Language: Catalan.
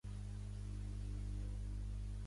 Quant dura el viatge en autobús fins a Caudiel?